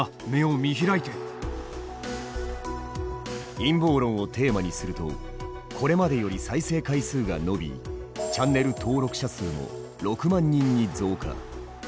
陰謀論をテーマにするとこれまでより再生回数が伸びチャンネル登録者数も６万人に増加。